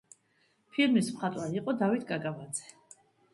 ფილმის მხატვარი იყო დავით კაკაბაძე.